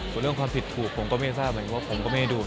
ตรงเรื่องความผิดถูกไม่ได้ทราบถึงผมก็ไม่ได้ดูกัน